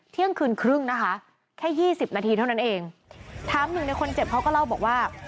เที่ยงคืนครึ่งนะคะแค่ยี่สิบนาทีเท่านั้นเองถามหนึ่งในคนเจ็บเขาก็เล่าบอกว่า